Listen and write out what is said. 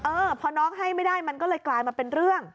เออพอน้องให้ไม่ได้มันก็เลยกลายมาเป็นเรื่อง